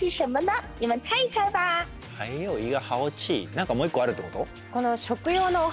何かもう一個あるってこと？